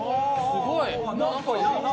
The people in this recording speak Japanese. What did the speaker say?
すごい！